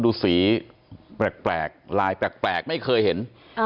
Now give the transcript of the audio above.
ดูสีแปลกลายแปลกไม่เคยเห็น